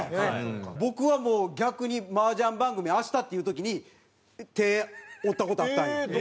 僕はもう逆に麻雀番組明日っていう時に手折った事あったんよ。